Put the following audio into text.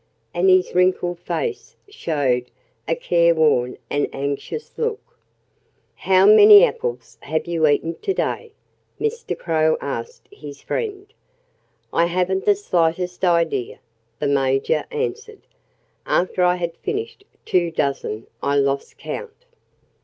And his wrinkled face showed a careworn and anxious look. "How many apples have you eaten to day?" Mr. Crow asked his friend. "I haven't the slightest idea," the Major answered. "After I had finished two dozen I lost count."